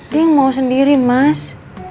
dia yang mau sendiri mas